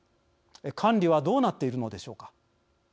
管理はどうなっているのでしょうか。